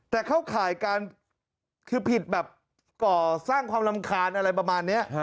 แต่เข้าข่ายการขอสร้างความรำคาญอะไรแบบนี้